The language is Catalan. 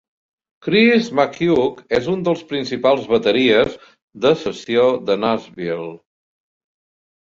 Chris McHugh és un dels principals bateries de sessió de Nashville.